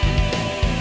saya yang menang